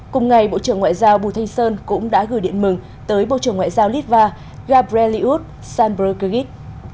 cùng ngày bộ trưởng ngoại giao bùi thanh sơn cũng đã gửi điện mừng tới bộ trưởng ngoại giao lít va gabriel liud sanbruggegit